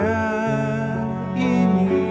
aku masih di dunia